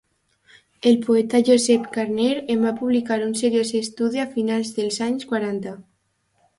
El poeta Josep Carner en va publicar un seriós estudi a finals dels anys quaranta.